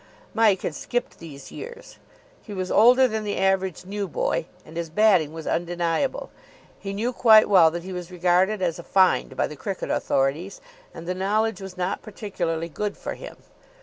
Mike had skipped these years. He was older than the average new boy, and his batting was undeniable. He knew quite well that he was regarded as a find by the cricket authorities; and the knowledge was not particularly good for him.